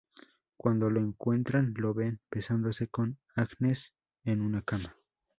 Cuando lo encuentran, lo ven besándose con Agnes en una cama.